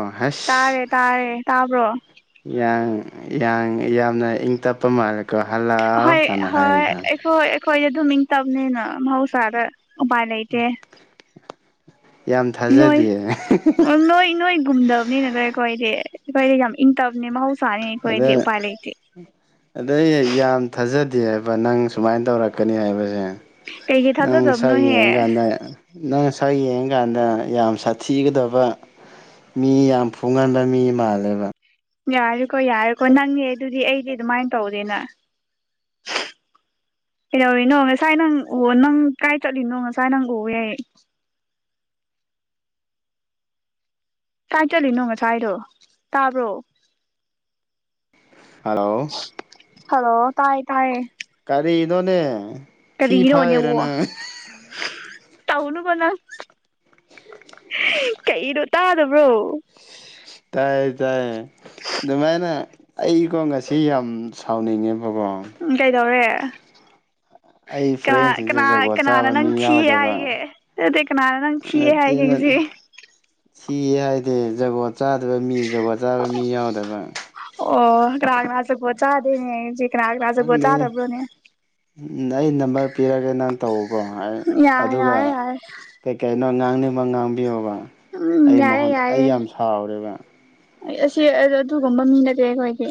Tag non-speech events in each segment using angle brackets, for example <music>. ꯑ ꯍꯑꯩꯁ ꯇꯥꯔꯦ ꯇꯥꯔꯦ ꯇꯥꯕ꯭ꯔꯣ ꯌꯥꯝꯅ ꯏꯪ ꯇꯞꯄ ꯃꯥꯜꯂꯦꯀꯣ ꯍꯜꯂꯥꯎ ꯍꯣꯏ ꯀꯥꯟꯅ ꯍꯣꯏ ꯍꯥꯏꯌꯦꯀꯣ ꯑꯩꯈꯣꯏ ꯑꯩꯈꯣꯏꯗꯤ ꯑꯗꯨꯝ ꯏꯡ ꯇꯞꯅꯤꯅ ꯃꯍꯧꯁꯥꯗ ꯎꯄꯥꯏ ꯂꯩꯇꯦ ꯌꯥꯝ ꯅꯣꯏ ꯊꯥꯖꯗꯦ ꯎ ꯅꯣꯏ ꯅꯣꯏꯒꯨꯝꯗꯕꯅꯤꯅ ꯀꯣꯏꯈꯣꯏꯗꯤ ꯑꯩꯈꯣꯏꯗꯤ ꯌꯥꯝ ꯏꯪꯇꯕꯅꯦ ꯃꯍꯧ ꯑꯗ ꯑꯗꯩ ꯌꯥꯝ ꯊꯥꯖꯗꯦ ꯍꯥꯏꯕ ꯅꯪ ꯁꯨꯃꯥꯏꯅ ꯇꯧꯔꯛꯀꯅꯤ ꯍꯥꯏꯕꯁꯦ ꯀꯩꯒꯤ ꯅꯪ ꯁꯛ ꯊꯥꯖꯗꯕꯅꯣꯍꯦ ꯌꯦꯡꯀꯥꯟꯗ ꯅꯪ ꯁꯛ ꯌꯦꯡꯉꯀꯥꯟꯗ ꯌꯥꯝ ꯁꯥꯊꯤꯒꯗꯕ ꯃꯤ ꯌꯥꯝ ꯐꯨꯒꯟꯕ ꯃꯤ ꯃꯥꯜꯂꯦꯕ ꯌꯥꯔꯦꯀꯣ ꯌꯥꯔꯦꯀꯣ ꯅꯪꯅꯦ ꯑꯗꯨꯗꯤ ꯑꯩꯗꯤ ꯑꯗꯨꯃꯥꯏꯅ ꯇꯧꯗꯦꯅ ꯀꯩꯗꯧꯔꯤꯅꯣ ꯉꯁꯥꯏ ꯅꯪ ꯎ ꯅꯪ ꯀꯥꯏ ꯆꯠꯂꯤꯅꯣ ꯉꯁꯥꯏ ꯅꯪ ꯎ ꯌꯥꯏ ꯀꯥꯏ ꯆꯠꯂꯤꯅꯣ ꯉꯥꯁꯥꯏꯗꯣ ꯇꯥꯕ꯭ꯔꯣ ꯍꯜꯂꯣ ꯍꯜꯂꯣ ꯇꯥꯏ ꯇꯌꯦ ꯀꯔꯤ ꯅꯣ ꯅꯦ ꯊꯤ ꯀꯔꯤꯅꯣ ꯐꯥꯏꯔꯤꯔꯥ ꯅꯦꯠꯋꯥꯛ ꯅꯪ ꯇꯧꯅꯨꯀꯣ ꯅꯪ ꯀꯩꯅꯣ ꯇꯥꯗꯕ꯭ꯔꯣ ꯇꯥꯏꯌꯦ ꯇꯥꯏ ꯑꯗꯨꯃꯥꯏꯅ ꯑꯩꯀꯣ ꯉꯁꯤ ꯌꯥꯝ ꯁꯥꯎꯅꯤꯡꯉꯦꯕꯀꯣ ꯎꯝ ꯀꯩꯗꯧꯔꯦ ꯑꯩ ꯀꯅꯥ ꯐ꯭ꯔꯦꯟꯁꯤꯡꯁꯦ ꯀꯅꯥ ꯖꯒꯣꯠ ꯀꯅꯥꯅ ꯆꯥꯕ ꯅꯪ ꯃꯤ ꯊꯤꯌꯦ ꯌꯥꯎꯗꯕ ꯍꯥꯏꯒꯦ <unintelligible> ꯀꯅꯥꯅ ꯅꯪ ꯊꯤ ꯍꯥꯏꯒꯦ ꯉꯁꯤ ꯊꯤ ꯍꯥꯏꯗꯤ ꯖꯨꯒꯣꯠ ꯆꯥꯗꯕ ꯃꯤ ꯖꯨꯒꯣꯠ ꯆꯥꯕ ꯃꯤ ꯌꯥꯎꯗꯕ ꯑꯣ ꯀꯅꯥ ꯀꯅꯥ ꯆꯛꯄꯣꯠ ꯆꯥꯗꯦ <unintelligible> ꯀꯅꯥ ꯀꯅꯥ ꯖꯨꯒꯣꯠ ꯈꯪꯗꯦ ꯆꯥꯗꯕ꯭ꯔꯣꯅꯦ ꯑꯩ ꯅꯝꯕꯔ ꯄꯤꯔꯒꯦ ꯅꯪ ꯇꯧꯕꯀꯣ ꯌꯥꯔꯦ ꯑꯗꯨꯒ ꯌꯥꯔꯦ ꯌꯥꯔꯦ ꯀꯩ ꯀꯅꯣ ꯉꯥꯡꯅꯤꯡꯕ ꯉꯥꯡꯕꯤꯌꯣꯕ ꯎꯝ ꯑꯩ ꯌꯥꯔꯦ ꯃꯍꯨꯠ ꯑꯩ ꯌꯥꯝ ꯁꯥꯎꯔꯦꯕ ꯑꯩ ꯑꯁꯤ ꯑꯗꯨꯒꯨꯝꯕ ꯃꯤ ꯅꯠꯇꯦ ꯑꯩꯈꯣꯏꯗꯤ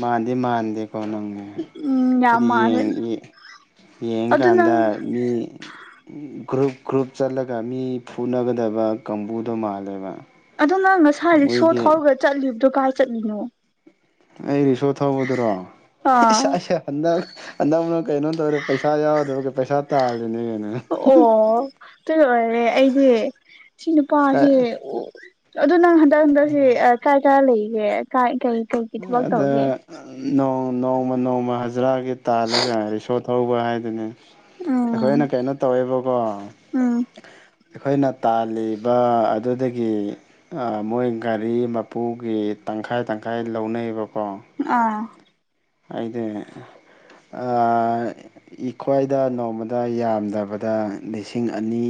ꯃꯥꯟꯗꯤ ꯃꯥꯥꯟꯗꯦꯀꯣ ꯅꯪꯅꯦ ꯎꯝ ꯌꯥꯝ ꯍꯥꯏꯗꯤ ꯃꯥꯜꯂꯦ ꯌꯦꯡ ꯌꯦꯡ ꯑꯗꯨ ꯅꯪ ꯌꯦꯡꯀꯥꯟꯗ ꯃꯤ ꯒ꯭ꯔꯨꯞ ꯒ꯭ꯔꯨꯞ ꯆꯠꯂꯒ ꯃꯤ ꯐꯨꯅꯒꯗꯕ ꯀꯥꯡꯕꯨꯗꯣ ꯃꯥꯜꯂꯦꯕ ꯑꯗꯣ ꯅꯪ ꯉꯁꯥꯏ ꯔꯤꯛꯁꯣ ꯃꯣꯏꯒꯤ ꯊꯧꯔꯒ ꯆꯠꯂꯤꯕꯗꯨ ꯀꯥꯏ ꯆꯠꯂꯤꯅꯣ ꯑꯩ ꯔꯤꯛꯁꯣ ꯊꯧꯕꯗꯨꯔꯣ ꯑꯥ ꯏꯁ ꯑꯩꯁꯦ ꯍꯟꯗꯛ ꯍꯟꯗꯛꯅ ꯀꯩꯅꯣ ꯇꯧꯔꯦ ꯄꯩꯁꯥ ꯌꯥꯎꯗꯕꯒꯤ ꯄꯩꯁꯥ ꯇꯥꯜꯂꯤꯅꯦꯅ ꯑꯣ ꯇꯨꯅ ꯑꯣꯏꯔꯦ ꯑꯩꯗꯤ ꯁꯤ ꯅꯨꯄꯥꯁꯤ ꯀꯩꯅꯣ ꯑꯗꯣ ꯅꯪ ꯍꯟꯗꯛ ꯍꯟꯗꯛꯁꯤ ꯀꯥꯏ ꯀꯥꯏ ꯂꯩꯒꯦ ꯀꯥꯏ ꯀꯔꯤ ꯀ ꯑꯗ ꯅꯣꯡꯃ ꯅꯣꯡꯃ ꯅꯣꯡꯃ ꯍꯖꯔꯥꯒꯤ ꯇꯥꯜꯂꯒ ꯔꯤꯁꯣꯠ ꯍꯧꯕ ꯍꯥꯏꯗꯨꯅꯤ ꯎꯝ ꯑꯩꯈꯣꯏꯅ ꯀꯩꯅꯣ ꯇꯧꯋꯦꯕꯀꯣ ꯎꯝ ꯑꯩꯈꯣꯏꯅ ꯇꯥꯜꯂꯤꯕ ꯑꯗꯨꯗꯒꯤ ꯃꯣꯏ ꯒꯥꯔꯤ ꯃꯄꯨꯒꯤ ꯇꯪꯈꯥꯏ ꯇꯪꯈꯥꯏ ꯂꯧꯅꯩꯑꯕꯀꯣ ꯑꯥ ꯑꯩꯗꯤ ꯑꯥ ꯑꯩꯈꯣꯏꯗ ꯅꯣꯡꯃꯗ ꯌꯥꯝꯗꯕꯗ ꯂꯤꯁꯤꯡ ꯑꯅꯤ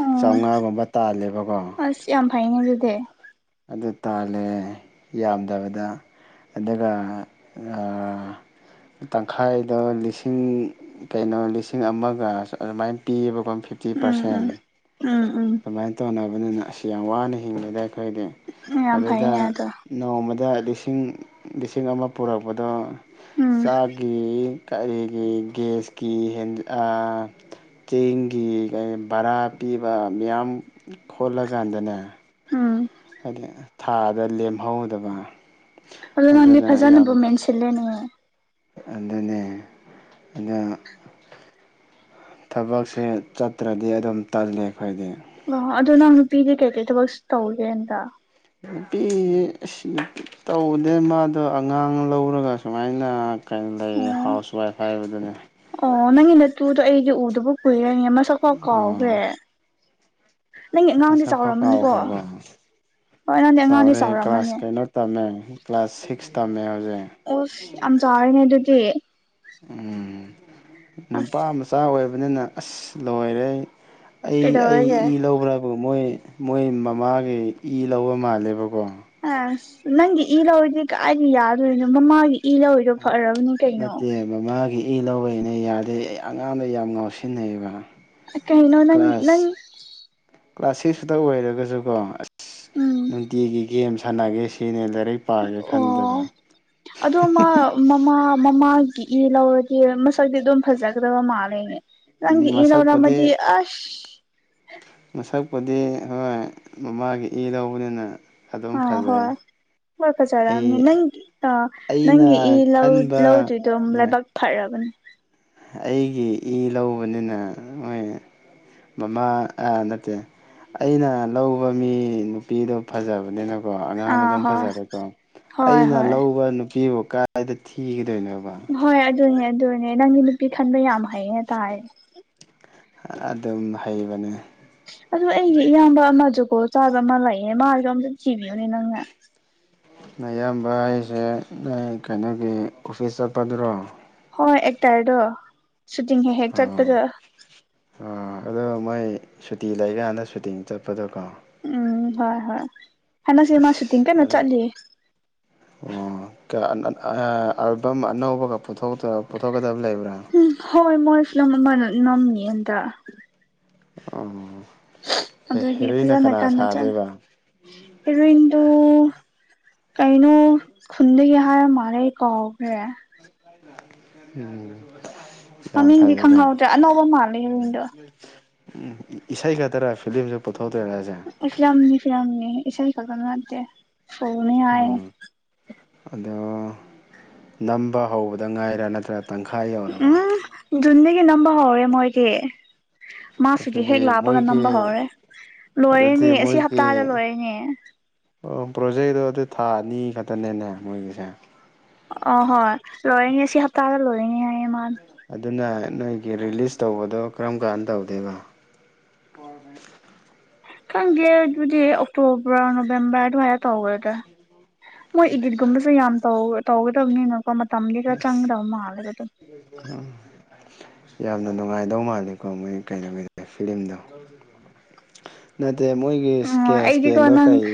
ꯎꯝ ꯆꯧꯉꯥꯒꯨꯝꯕ ꯇꯥꯜꯂꯦꯕꯀꯣ ꯑꯁ ꯌꯥꯝ ꯐꯩꯅꯦ ꯑꯗꯨꯗꯤ ꯑꯗꯨ ꯇꯥꯜꯂꯦ ꯌꯥꯝꯗꯕꯗ ꯑꯗꯨꯒ ꯑ ꯇꯪꯈꯥꯏꯗ ꯂꯤꯁꯤꯡ ꯀꯩꯅꯣ ꯂꯤꯁꯤꯡ ꯑꯃꯒ ꯑꯗꯨꯃꯥꯏꯟ ꯄꯤꯕꯀꯣ ꯐꯤꯐꯇꯤ ꯎꯝ ꯎꯝ ꯄꯥꯔꯁꯦꯟ ꯎꯝ ꯑꯗꯨꯃꯥꯏꯅ ꯇꯧꯅꯕꯅꯤꯅ ꯑꯁ ꯌꯥꯝ ꯋꯥꯅ ꯍꯤꯡꯉꯦꯗ ꯑꯩꯈꯣꯏꯗꯤ ꯎꯝ ꯌꯥꯝ ꯑꯗꯨꯗ ꯐꯩꯅꯦ ꯑꯗꯣ ꯅꯣꯡꯃꯗ ꯂꯤꯁꯤꯡ ꯂꯤꯁꯤꯡ ꯑꯃ ꯄꯨꯔꯛꯄꯗꯣ ꯎꯝ ꯆꯥꯛꯒꯤ ꯀꯩꯒꯤ ꯒꯦꯁꯀꯤ ꯍꯦꯟ ꯑꯥ ꯆꯦꯡꯒꯤ ꯀꯩ ꯕꯔꯥ ꯄꯤꯕ ꯃꯌꯥꯝ ꯈꯣꯠꯂꯀꯥꯟꯗꯅꯦ ꯎꯝ ꯍꯥꯏꯗꯤ ꯊꯥꯗ ꯂꯦꯝꯍꯧꯗꯕ ꯑꯗꯣ ꯅꯪꯗꯤ ꯑꯗꯨꯅ ꯌꯥꯝ ꯐꯖꯥꯅꯕꯨ ꯃꯦꯟꯁꯤꯜꯂꯦꯅꯦ ꯑꯗꯨꯅꯦ ꯑꯗꯣ ꯊꯕꯛꯁꯦ ꯆꯠꯇ꯭ꯔꯗꯤ ꯑꯗꯨꯝ ꯇꯜꯂꯦ ꯑꯩꯈꯣꯏꯗꯤ ꯑꯣ ꯑꯗꯣ ꯅꯪ ꯅꯨꯄꯤꯗꯤ ꯀꯩꯀꯩ ꯊꯕꯛ ꯇꯧꯒꯦ ꯍꯟꯇꯛ ꯅꯨꯄꯤ ꯑꯁ ꯅꯨꯄꯤ ꯇꯧꯗꯦ ꯃꯥꯗꯣ ꯑꯉꯥꯡ ꯂꯧꯔꯒ ꯁꯨꯃꯥꯏꯅ ꯀꯩꯅꯣ ꯂꯩꯌꯦ ꯍꯥꯎꯁꯋꯥꯏꯐ ꯍꯥꯏꯕꯗꯨꯅꯦ ꯑꯣ ꯅꯪꯒꯤ ꯅꯠꯇꯨꯗꯣ ꯑꯩꯗꯤ ꯎꯗꯕ ꯀꯨꯏꯔꯦ ꯃꯁꯛꯐꯥꯎ ꯀꯥꯎꯈ꯭ꯔꯦ ꯑꯣ ꯅꯪꯒꯤ ꯑꯉꯥꯡꯗꯤ ꯃꯁꯛ ꯐꯥꯎ ꯆꯥꯎꯔꯝꯃꯅꯤꯀꯣ ꯀꯥꯎꯈ꯭ꯔꯕ ꯍꯣꯏ ꯅꯪꯗꯤ ꯑꯉꯥꯡꯗꯤ ꯆꯥꯎꯔꯦ ꯀ꯭ꯂꯥꯁ ꯆꯥꯎꯔꯝꯃꯅꯤ ꯀꯩꯅꯣ ꯇꯝꯃꯦ ꯀ꯭ꯂꯥꯁ ꯁꯤꯛꯁ ꯇꯝꯃꯦ ꯍꯧꯖꯤꯛ ꯑꯨꯁ ꯌꯥꯝ ꯆꯥꯎꯔꯦꯅꯦ ꯑꯗꯨꯗꯤ ꯎꯝ ꯑꯁ ꯅꯨꯄꯥ ꯃꯆꯥ ꯑꯣꯏꯕꯅꯤꯅ ꯑꯁ ꯂꯣꯏꯔꯦ ꯑꯩ ꯑꯩ ꯀꯩꯗꯧꯔꯒꯦ ꯏ ꯂꯧꯕ꯭ꯔꯕꯨ ꯃꯣꯏ ꯃꯣꯏ ꯃꯃꯥꯒꯤ ꯏ ꯂꯧꯕ ꯃꯥꯜꯂꯦꯕꯀꯣ ꯑ ꯅꯪꯒꯤ ꯏ ꯂꯧꯔꯗꯤ ꯀꯥꯏꯗꯩ ꯌꯥꯗꯣꯏꯅꯣ ꯃꯃꯥꯒꯤ ꯏ ꯂꯧꯔꯤꯗꯣ ꯐꯔꯕꯅꯦ ꯀꯩꯅꯣ ꯅꯠꯇꯦ ꯃꯃꯥꯒꯤ ꯏ ꯂꯧꯋꯦꯅꯦ ꯌꯥꯗꯦ ꯑꯩ ꯑꯉꯥꯡꯗꯣ ꯌꯥꯝ ꯉꯥꯎꯁꯤꯟꯅꯩꯕ ꯑ ꯀꯩꯅꯣ ꯅꯪ ꯅꯪ ꯀ꯭ꯂꯥꯁ ꯀ꯭ꯂꯥꯁ ꯁꯤꯛꯁꯇ ꯑꯣꯏꯔꯒꯁꯨꯀꯣ ꯑꯁ ꯎꯝ ꯅꯨꯡꯇꯤꯒꯤ ꯒꯦꯝ ꯁꯥꯟꯅꯒꯦ ꯁꯤꯅꯦ ꯂꯥꯏꯔꯤꯛ ꯄꯥꯒꯦ ꯑꯣ ꯈꯟꯗꯦꯕ ꯑꯗꯣ ꯃꯥ ꯃꯃꯥ ꯃꯃꯥꯒꯤ ꯏ ꯂꯧꯔꯗꯤ ꯃꯁꯛꯇꯤ ꯑꯗꯨꯝ ꯐꯖꯒ꯭ꯔꯕ ꯃꯥꯜꯂꯦꯅꯦ ꯅꯪꯒꯤ ꯏ ꯃꯁꯛꯄꯨꯗꯤ ꯂꯧꯔꯝꯃꯗꯤ ꯑꯁ ꯃꯁꯛꯄꯨꯗꯤ ꯍꯣꯏ ꯃꯃꯥꯒꯤ ꯏ ꯂꯧꯕꯅꯤꯅ ꯑꯗꯨꯝ ꯑꯥ ꯐꯖꯩ ꯍꯣꯏ ꯍꯣꯏ ꯑꯩ ꯐꯖꯔꯝꯅꯤ ꯅꯪ ꯑꯩꯅ ꯅꯪꯒꯤ ꯏ ꯂꯧ ꯈꯟꯕ ꯂꯧꯗ꯭ꯔꯤꯗꯣ ꯂꯥꯏꯕꯛ ꯐꯔꯕꯅꯦ ꯑꯩꯒꯤ ꯏ ꯂꯧꯕꯅꯤꯅ ꯃꯣꯏ ꯃꯃꯥ ꯅꯠꯇꯦ ꯑꯩꯅ ꯂꯧꯕ ꯃꯤ ꯅꯨꯄꯤꯗꯣ ꯐꯖꯕꯅꯦꯅ ꯀꯣ ꯑꯉꯥꯡꯗ ꯑꯥ ꯑꯗꯨꯝ ꯍꯣꯏ ꯐꯖꯔꯦꯀꯣ ꯍꯣꯏ ꯑꯩꯅ ꯍꯣꯏ ꯂꯧꯕ ꯅꯨꯄꯤꯕꯨ ꯀꯥꯏ ꯀꯥꯏꯗ ꯊꯤꯒꯗꯣꯏꯅꯣꯕ ꯍꯣꯏ ꯑꯗꯨꯅꯦ ꯑꯗꯨꯅꯦ ꯅꯪꯗꯤ ꯅꯨꯄꯤ ꯈꯟꯕ ꯌꯥꯝ ꯍꯩꯌꯦꯅ ꯇꯥꯏ ꯑꯗꯨꯝ ꯍꯩꯕꯅꯦ ꯑꯗꯨ ꯑꯩꯒꯤ ꯏꯌꯥꯝꯕ ꯑꯃ ꯖꯨꯒꯣꯠ ꯆꯥꯕ ꯑꯃ ꯂꯩꯌꯦ ꯃꯥꯁꯨ ꯑꯝꯇ ꯊꯤꯕꯤꯌꯨꯅꯦ ꯅꯪꯅ ꯅꯌꯥꯝꯕ ꯍꯥꯏꯁꯦ ꯑ ꯀꯩꯅꯣꯒꯤ ꯑꯣꯐꯤꯁ ꯆꯠꯄꯗꯨꯔꯣ ꯍꯣꯏ ꯑꯦꯛꯇꯔꯗꯣ ꯁꯨꯇꯤꯡ ꯍꯦꯛ ꯍꯦꯛ ꯆꯠꯄꯗꯣ ꯑ ꯑꯗꯣ ꯃꯣꯏ ꯁꯨꯇꯤ ꯂꯩꯀꯥꯟꯗ ꯁꯨꯇꯤꯡ ꯆꯠꯄꯗꯣꯀꯣ ꯎꯝ ꯍꯣꯏ ꯍꯣꯏ ꯍꯟꯗꯛꯁꯦ ꯃꯥ ꯁꯨꯇꯤꯡ ꯀꯟꯅ ꯑꯁ <unintelligible> ꯆꯠꯂꯤ <inaudible> ꯑꯣ ꯀ ꯑꯥ ꯑꯜꯕꯝ ꯑꯅꯧꯕꯒ ꯄꯨꯊ‌ꯣꯛꯇꯨꯔ ꯄꯨꯊꯣꯛꯀꯗꯕ ꯂꯩꯕ꯭ꯔꯥ ꯎꯝ ꯍꯣꯏ ꯃꯣꯏ ꯐꯤꯂꯝ ꯑꯃ ꯅ ꯅꯝꯃꯤꯌ‌ꯦ ꯍꯟꯇꯛ ꯑꯣ ꯑꯗꯨꯒꯤ ꯍꯦꯔꯣꯏꯅ ꯐꯖꯅ ꯀꯅꯥ ꯀꯥꯟꯅ ꯆꯅ ꯁꯥꯗꯣꯏꯕ ꯍꯦꯔꯣꯏꯟꯗꯨ ꯀꯩꯅꯣ ꯈꯨꯟꯗꯒꯤ ꯍꯥꯏꯔ ꯃꯥꯜꯂꯦ ꯑꯩ ꯀꯥꯎꯈ꯭ꯔꯦ ꯎꯝ ꯌꯥꯝ ꯃꯃꯤꯡꯗꯤ ꯈꯪꯍꯧꯗ꯭ꯔꯦ ꯑꯅꯧꯕ ꯃꯥꯜꯂꯦ ꯍ‌ꯦꯔ‌ꯣꯏꯟꯗꯣ ꯎꯝ ꯏꯁꯩ ꯈꯛꯇꯔ ꯐꯤꯂꯝꯁꯨ ꯄꯨꯊꯣꯛ ꯇꯣꯏꯔꯖ‌ꯦ ꯏꯁ ꯐꯤꯂꯝꯅꯤ ꯐꯤꯂꯝꯅꯤ ꯏꯁꯩꯥ ꯈꯛꯇ ꯅꯠꯗꯦ ꯐꯂꯝꯅꯤ ꯍꯥꯏꯌ‌ꯦ ꯎꯝ ꯑꯗꯣ ꯅꯝꯕ ꯍꯧꯕꯗ ꯉꯥꯏꯔꯥ ꯅꯠꯇ꯭ꯔꯥ ꯇꯪꯈꯥꯏ ꯎꯝ ꯌꯧꯔꯕꯣ ꯖꯨꯟꯗꯒꯤ ꯅꯝꯕ ꯍꯧꯔꯦ ꯃꯣꯏꯗꯤ ꯃꯥ ꯁꯨꯇꯤ ꯍꯦꯛ ꯑꯗꯨꯗꯤ ꯂꯥꯛꯄꯒ ꯃꯣꯏꯒꯤ ꯅꯝꯕ ꯍꯧꯔꯦ ꯂꯣꯏꯔꯦꯅꯦ ꯑꯗꯨꯗꯤ ꯑꯁꯤ ꯍꯞꯇꯥꯗ ꯃꯣꯏꯒꯤ ꯂꯣꯏꯔꯦꯅꯦ ꯑꯣ ꯄ꯭ꯔꯣꯖꯦꯛꯇꯣ ꯑꯗꯨ ꯊꯥ ꯑꯅꯤ ꯈꯛꯇꯅꯦꯅꯦ ꯃꯣꯏꯒꯤꯁꯦ ꯑ ꯍꯣꯏ ꯂꯣꯏꯔꯅꯤ ꯁꯤ ꯍꯞꯇꯥꯗ ꯂꯣꯏꯔꯅꯤ ꯍꯥꯏꯌꯦ ꯃꯥ ꯑꯗꯨꯅ ꯅꯣꯏꯒꯤ ꯔꯤꯂꯤꯁ ꯇꯧꯕꯗꯣ ꯀꯔꯝ ꯀꯥꯟꯗ ꯇꯧꯗꯦꯕ ꯑꯣ ꯈꯪꯗꯦ ꯑꯗꯨꯗꯤ ꯑꯣꯛꯇꯣꯕꯔ ꯅꯣꯕꯦꯝꯕꯔ ꯑꯗꯨꯃꯥꯏꯅ ꯇꯧꯈ꯭ꯔꯦꯗ ꯃꯣꯏ ꯏꯗꯤꯠꯀꯨꯝꯕꯁꯨ ꯌꯥꯝ ꯇꯧ ꯇꯧꯒꯗꯕꯅꯤꯅꯀꯣ ꯃꯇꯝꯗꯤ ꯈꯔ ꯆꯪꯒꯗꯕ ꯃꯥꯜꯂ‌ꯦꯕ ꯑꯗꯨꯝ ꯎꯝ ꯌꯥꯝꯅ ꯅꯨꯡꯉꯥꯏꯗꯧ ꯃꯥꯜꯂꯤꯀꯣ ꯃꯣꯏ ꯀꯩꯅꯣ ꯐꯤꯂꯝꯗꯣ ꯅꯠꯇꯦ ꯃꯣꯏꯒꯤ ꯑꯗꯨꯝ ꯑꯣ ꯏꯁꯀ‌ꯦꯟ ꯑꯩꯗꯤꯀꯣ ꯏꯁꯀꯦꯟꯗꯣ ꯅꯪ ꯀꯔꯤ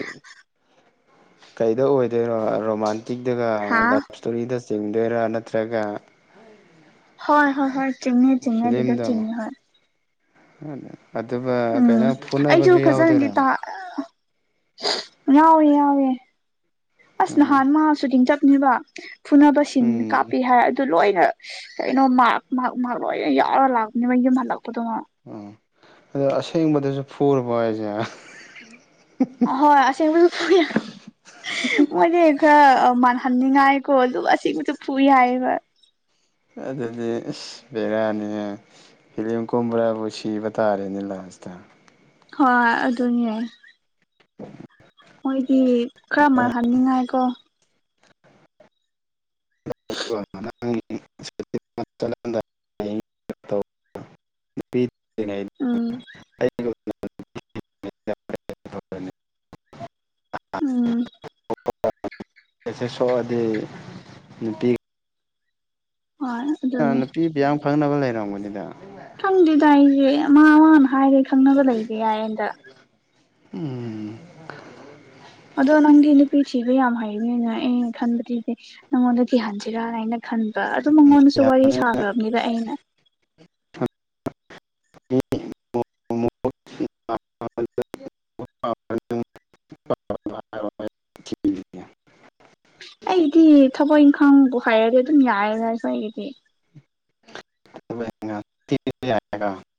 ꯀꯩꯗ ꯑꯣꯏꯗꯣꯏꯔꯣ ꯔꯣꯃꯥꯟꯇꯤꯛꯇꯒ ꯍꯥ ꯂꯞ ꯏꯁꯇꯣꯔꯤꯗ ꯆꯤꯡꯗꯣꯏꯔ ꯅꯠꯇ꯭ꯔꯒ ꯍꯣꯏ ꯍꯣꯏ ꯍꯣꯏ ꯆꯤꯡꯉ‌ꯦ ꯆꯤꯡꯉꯦ ꯑꯗꯨꯗ ꯐꯤꯂꯝꯗꯣ ꯆꯤꯡꯉꯦ ꯍꯣꯏ ꯑꯗꯨꯒ ꯎꯝ ꯀꯩꯅꯣ ꯑꯩꯁꯨ ꯐꯨꯅꯕꯁꯨ ꯐꯖꯅꯗꯤ ꯌꯥꯎꯗꯣꯏꯔꯥ ꯇꯥ ꯌꯥꯎꯋꯦ ꯌꯥꯎꯋꯦ ꯑꯁ ꯎꯝ ꯅꯍꯥꯟ ꯃꯥ ꯁꯨꯇꯤꯡ ꯆꯞꯄꯅꯦꯕ ꯐꯨꯅꯕ ꯁꯤꯟ ꯎꯝ ꯀꯥꯞꯄ‌ꯦ ꯍꯥꯏ ꯑꯗꯨ ꯂꯣꯏꯅ ꯀꯩꯅꯣ ꯃꯥ꯭ꯔꯛ ꯃꯥ꯭ꯔꯛ ꯃꯥ꯭ꯔꯛ ꯂꯣꯏꯅ ꯌꯥꯎꯔ ꯂꯥꯛꯄꯅꯦꯕ ꯌꯨꯝ ꯍꯜꯂꯛꯄꯗꯣ ꯎꯝ ꯑꯗꯣ ꯑꯁꯦꯡꯕꯗꯁꯨ ꯐꯨꯨꯔꯕꯣ ꯍꯥꯏꯁꯦ ꯍꯣꯏ ꯑꯁꯦꯡꯕꯁꯨ ꯐꯨꯏ ꯍꯥꯏ__ <unintelligible> ꯃꯣꯏꯗꯤ ꯈꯔ ꯑ ꯃꯥꯟꯍꯟꯅꯤꯡꯉꯥꯏꯀꯣ ꯑꯗꯨꯒ ꯑꯁꯦꯡꯕꯁꯨ ꯐꯨꯏ ꯍꯥꯏꯌꯦꯕ ꯑꯗꯨꯗꯤ ꯏꯁ ꯕꯦꯔꯥꯅꯤꯍꯦ ꯐꯤꯂꯤꯝ ꯀꯨꯝꯕꯈꯔꯥꯕꯨ ꯁꯤꯕ ꯇꯥꯔꯦꯅꯦ ꯂꯥꯥꯁꯇ ꯍꯣꯏ ꯑꯗꯨꯅꯦ <unintelligible> ꯃꯣꯏꯗꯤ ꯈꯔ ꯃꯥꯜ ꯍꯟꯅꯤꯡꯉꯥꯏ ꯀꯣ <unintelligible> ꯎꯝ ꯎꯝ <unintelligible> ꯁꯣꯛꯑꯗꯤ ꯅꯨꯄꯤꯒ__ ꯍꯣꯏ <unintelligible> ꯑꯗꯨꯅꯦ ꯅꯨꯄꯤ ꯕꯤꯌꯥꯝ ꯈꯪꯅꯕ ꯂꯩꯔꯝꯒꯅꯤꯗ ꯈꯪꯗꯦꯗ ꯑꯩꯗꯤ ꯃꯥ ꯃꯥ ꯍꯥꯏꯕꯩ ꯈꯪꯅꯕ ꯂꯩꯕ ꯌꯥꯏ ꯑꯦꯟꯗ ꯎꯝ ꯑꯗꯣ ꯅꯪꯗꯤ ꯅꯨꯄꯤ ꯊꯤꯕ ꯌꯥꯝ ꯍꯩꯅꯤꯅ ꯑꯩꯅ ꯈꯟꯕꯗꯤꯁꯦ ꯅꯪꯉꯣꯟꯗ ꯊꯤꯍꯟꯁꯤꯔꯥꯅ ꯍꯥꯏꯅ ꯈꯟꯕ ꯑꯗꯨ ꯃꯉꯣꯟꯗꯁꯨ ꯋꯥꯔꯤ ꯁꯥꯈ꯭ꯔꯕꯅꯤꯗ ꯑꯩꯅ <unintelligible> <unintelligible> <unintelligible> ꯑꯩꯒꯤꯗꯤ ꯊꯕꯛ ꯏꯪꯈꯥꯡꯕꯨ ꯍꯩꯔꯗꯤ ꯑꯗꯨꯝ ꯌꯥꯔꯦꯗꯥ ꯑꯩꯈꯣꯏ ꯑꯩꯒꯤꯗꯤ ꯊꯕꯛ ꯏꯟꯒꯥꯡ <unintelligible>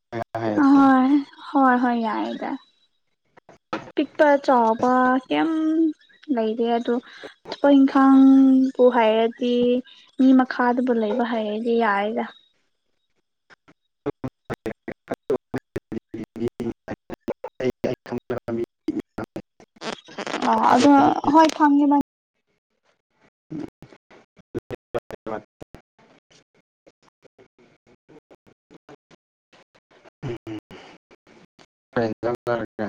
ꯑꯍꯣꯏ ꯍꯣꯏ ꯍꯣꯏ ꯌꯥꯔꯦ ꯗꯥ ꯄꯤꯛꯄ ꯆꯥꯎꯕ ꯀꯦꯝ ꯂꯩꯇꯦ ꯑꯗꯨ ꯊꯕꯛ ꯏꯪꯈꯥꯡꯕꯨ ꯍꯩꯔꯗꯤ ꯃꯤ ꯃꯈꯥꯗꯕꯨ ꯂꯩꯕ ꯍꯥꯏꯔꯗꯤ ꯌꯥꯔꯦꯗꯥ <unintelligible> <unintelligible> ꯑ ꯑꯗꯣ ꯍꯣꯏ ꯈꯪꯉꯦ ꯗꯥ <unintelligible> ꯀꯩ ꯍꯦꯡꯖꯥꯡ ꯆꯥꯔꯒꯦ